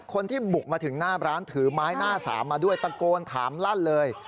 คนที่บุกมาถึงหน้าร้านถือไม้หน้าสามมาด้วยตะโกนถามลั่นเลย